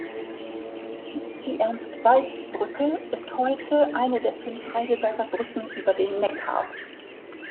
Die Ernst-Walz-Brücke ist heute eine der fünf Heidelberger Brücken über den Neckar.